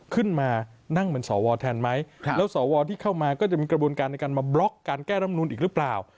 ขึ้นมานั่งเป็นสวแทนไหมแล้วสวที่เข้ามาก็จะมีกระบวนการในการมาบล็อกการแก้รำนูนอีกหรือเปล่า